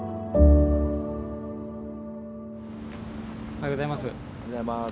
おはようございます。